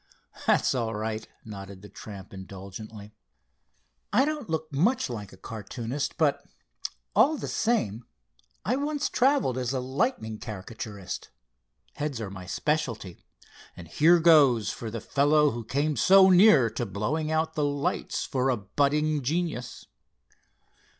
"That's all right," nodded the tramp indulgently. "I don't look much like a cartoonist, but all the same I once traveled as a lightning caricaturist. Heads are my specialty, and here goes for the fellow who came so near to blowing out the lights for a budding genius!"